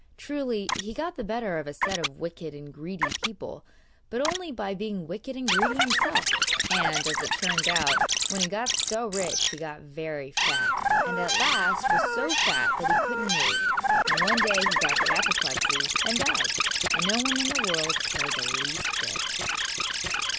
Truly, he got the better of a set of wicked and greedy people, but only by being wicked and greedy himself; and, as it turned out, when he got so rich he got very fat; and at last was so fat that he couldn't move, and one day he got the apoplexy and died, and no one in the world cared the least bit.